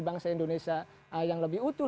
bangsa indonesia yang lebih utuh